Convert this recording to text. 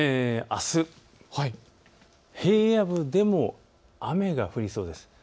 あす平野部でも雨が降りそうです。